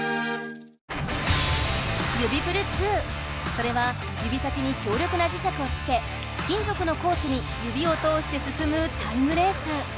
それは指先に強力な磁石をつけ金ぞくのコースに指を通してすすむタイムレース。